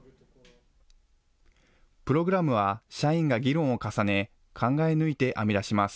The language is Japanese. プログラムは社員が議論を重ね、考え抜いて編み出します。